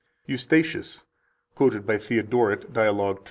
69 EUSTACHIUS, quoted by Theodoret, Dialog 2 (p.